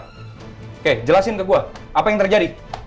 oke jelasin ke gue apa yang terjadi